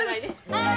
はい！